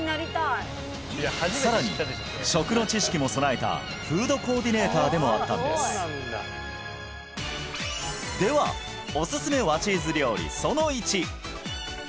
さらに食の知識も備えたフードコーディネーターでもあったんですではおすすめ和チーズ料理